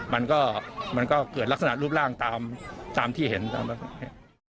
มันก็มันก็เกิดลักษณะรูปร่างตามตามที่เห็นตามที่เห็น